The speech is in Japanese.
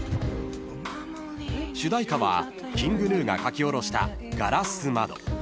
［主題歌はＫｉｎｇＧｎｕが書き下ろした『硝子窓』］